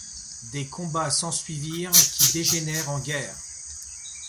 Des combats s'ensuivent, qui dégénèrent en guerre.